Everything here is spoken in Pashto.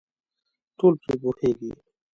ټول پرې پوهېږي .